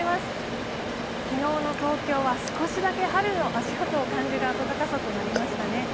昨日の東京は少しだけ春の足音を感じる暖かさとなりましたね。